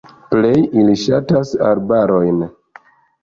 Plej ili ŝatas arbarojn.